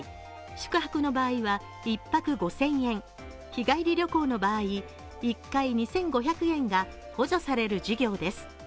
宿泊の場合は１泊５０００円、日帰り旅行の場合１回２５００円が補助される事業です。